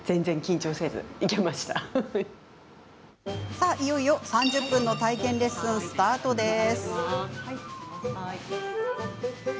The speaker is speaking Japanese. さあ、いよいよ３０分の体験スタートです。